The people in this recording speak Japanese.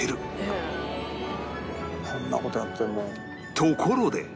ところで